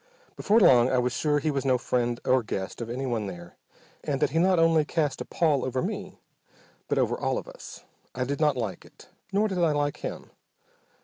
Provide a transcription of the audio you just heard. Before long I was sure he was no friend or guest of anyone there, and that he not only cast a pall over me but over all of us. I did not like it, nor did I like him.